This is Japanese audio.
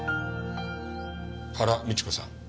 原美智子さん。